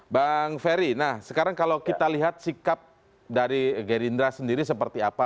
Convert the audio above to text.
bang ferry nah sekarang kalau kita lihat sikap dari gerindra sendiri seperti apa